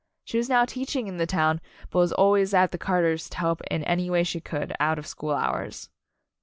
She was now teaching in the town, but was always at the Carters to help in any way she could, out of school hours.